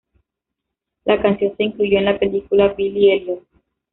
La canción se incluyó en la película "Billy Elliot".